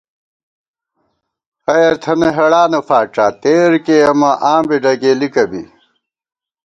خیر تھنہ ہېڑانہ فاڄا تېر کېئیمہ آں بی ڈگېلِکہ بی